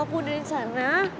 pokoknya kalau aku di sana